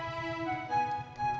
neng bunga bayarnya tujuh ribu